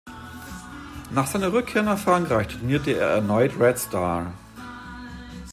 Nach seiner Rückkehr nach Frankreich trainierte er erneut Red Star.